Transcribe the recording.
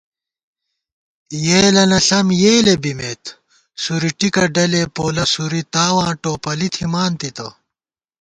یېلَنہ ݪم یېلے بِمېت سُورِیٹِکہ ڈلے پولہ سوری تاواں ٹوپَلی تھِمان تِتہ